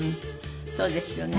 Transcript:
そうですよね。